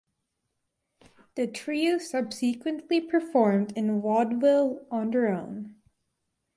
The trio subsequently performed in vaudeville on their own.